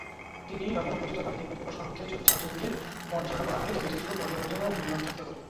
কোন পরিচিত বাণিজ্যিক প্রকাশনা হতে ছায়াছবিটির পর্যালোচনা করা হয়নি, তবে এটির জন্য পর্যালোচনা বা মূল্যায়ন থাকতে পারে।